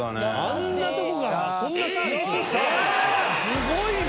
すごいな。